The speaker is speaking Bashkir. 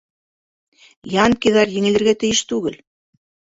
— «Янкиҙар» еңелергә тейеш түгел.